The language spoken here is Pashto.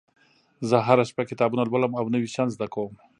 زه هره شپه کتابونه لولم او نوي شیان زده کوم